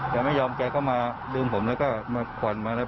แต่ไม่ยอมแกก็มาดึงผมแล้วก็มาขวัญมาเลย